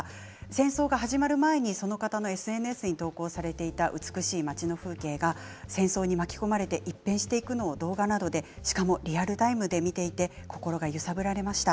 戦争が始まる前にその方のＳＮＳに投稿されていた美しい町の風景が戦争に巻き込まれて一変していくのを動画などでしかもリアルタイムで見ていて心が揺さぶられました。